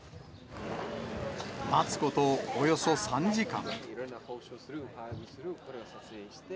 待つことおよそ３時間。